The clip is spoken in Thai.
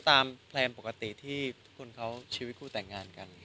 ตามแพลนปกติที่ทุกคนเค้าชีวิตคู่แต่งงานกัน